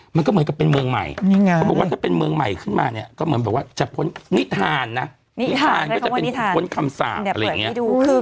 มันก็เหมือนกับเป็นเมืองใหม่เขาบอกว่าถ้าเป็นเมืองใหม่ขึ้นมาเนี่ยก็เหมือนแบบว่าจะพ้นนิทานนะนิทานก็จะเป็นคนพ้นคำสาปอะไรอย่างนี้